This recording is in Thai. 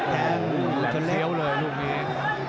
ต้องเหลือ